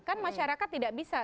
kan masyarakat tidak bisa